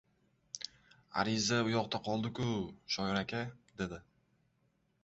— Ariza uyoqda qoldi-ku, shoir aka? — dedi.